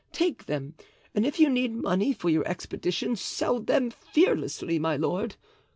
Take them, and if you need money for your expedition, sell them fearlessly, my lord.